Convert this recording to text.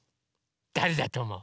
だれだとおもう？